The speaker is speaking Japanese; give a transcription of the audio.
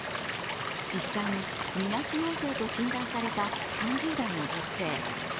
実際にみなし陽性と診断された３０代の女性。